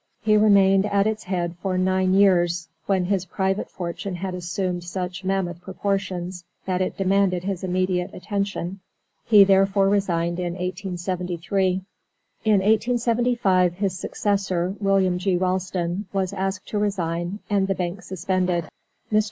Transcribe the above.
He remained at its head for nine years when his private fortune had assumed such mammoth proportions that it demanded his immediate attention, he therefore resigned in 1873. In 1875 his successor, William G. Ralston, was asked to resign and the bank suspended. Mr.